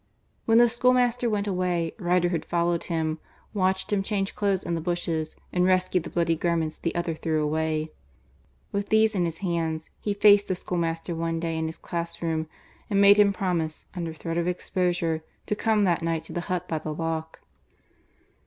When the schoolmaster went away Riderhood followed him, watched him change clothes in the bushes and rescued the bloody garments the other threw away. With these in his hands he faced the schoolmaster one day in his class room and made him promise, under threat of exposure, to come that night to the hut by the lock.